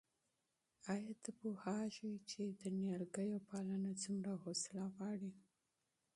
آیا ته پوهېږې چې د نیالګیو پالنه څومره حوصله غواړي؟